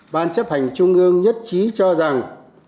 ban chấp hành trung ương nhất trí cho rằng